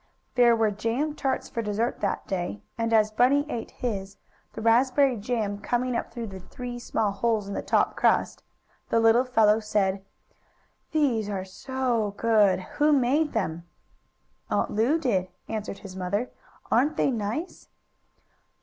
There were jam tarts for dessert that day, and as Bunny ate his, the raspberry jam coming up through the three small holes in the top crust, the little fellow said: "These are so good! Who made them?" "Aunt Lu did," answered his mother. '"Aren't they nice?"